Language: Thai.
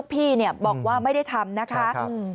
คือถ้ามันพยาบาทแห่งกล่อกู